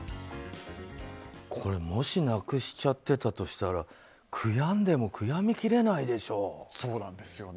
これ、もしなくしちゃってたとしたら悔やんでも悔やみきれないでしょう。